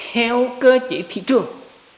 theo cơ chế thị trường